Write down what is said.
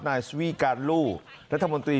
นายสุนีสวิการโลธิ์รัฐมนตรี